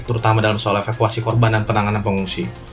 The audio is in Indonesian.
terutama dalam soal evakuasi korban dan penanganan pengungsi